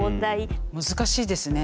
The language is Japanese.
難しいですね。